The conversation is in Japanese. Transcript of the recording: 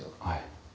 はい。